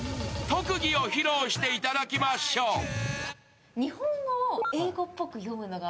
特技を披露していただきましょう。